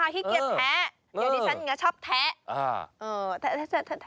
ขี้เกียจแท้เพราะฉันชอบแท้